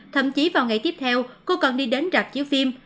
thậm chí vào ngày tiếp theo cô còn đi đến rạp chiếu phim